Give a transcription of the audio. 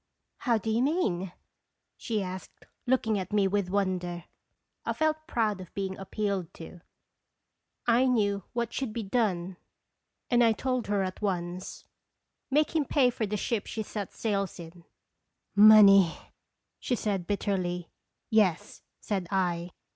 "How do you mean?" she asked, looking at me with wonder. I felt proud of being appealed to. / knew what should be done, and I told her at once :" Make him pay for the ship she sets sail in." " Money !" she said bitterly. " Yes," said I.